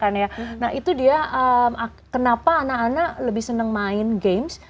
nah itu dia kenapa anak anak lebih senang main games